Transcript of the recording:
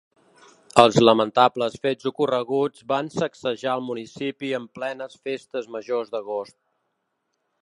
Els lamentables fets ocorreguts van sacsejar el municipi en plenes festes majors d’agost.